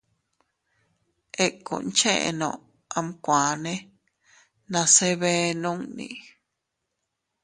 Ikkun cheʼeno amkuane nase bee nunni.